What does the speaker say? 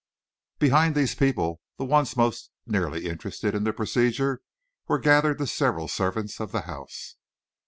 Behind these people, the ones most nearly interested in the procedure, were gathered the several servants of the house.